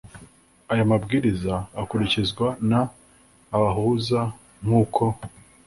aya mabwiriza akurikizwa n abahuza nk uko